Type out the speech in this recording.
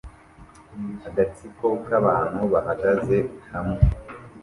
agatsiko k'abantu bahagaze hamwe